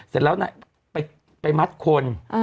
เสร็จแล้วไปมัดคน